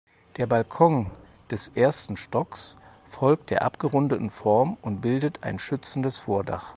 Der Balkon des ersten Stocks folgt der abgerundeten Form und bildet ein schützendes Vordach.